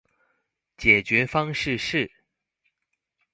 解決方式是